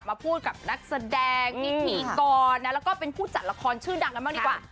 มาพูดกับนักแสดงพิธีกรนะแล้วก็เป็นผู้จัดละครชื่อดังกันบ้างดีกว่า